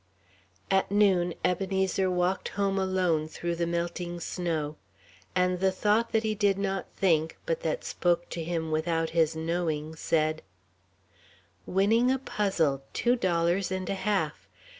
At noon Ebenezer walked home alone through the melting snow. And the Thought that he did not think, but that spoke to him without his knowing, said: "Winning a puzzle Two Dollars and a half.